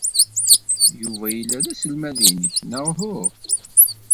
Yuba yella d aselmad-nnek, neɣ uhu?